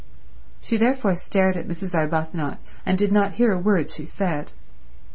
She therefore stared at Mrs. Arbuthnot and did not hear a word she said.